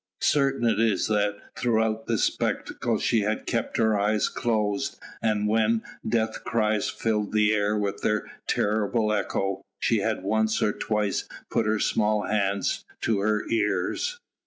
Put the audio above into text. Certain it is that throughout the spectacle she had kept her eyes closed, and when death cries filled the air with their terrible echo, she had once or twice put her small hands to her ears.